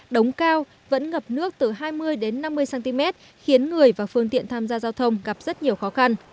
đống cao vẫn ngập nước từ hai mươi năm mươi cm khiến người và phương tiện tham gia giao thông gặp rất nhiều khó khăn